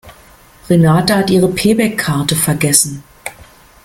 Renate hat ihre Payback-Karte vergessen.